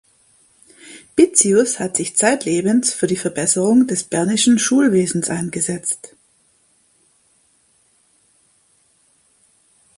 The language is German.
Bitzius hat sich zeitlebens für die Verbesserung des Bernischen Schulwesens eingesetzt.